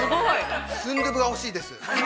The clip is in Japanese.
スンドゥブが欲しいです。